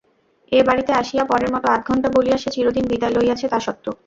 এ বাড়িতে আসিয়া পরের মতো আধঘণ্টা বলিয়া সে চিরদিন বিদায় লইয়াছে, তা সত্য।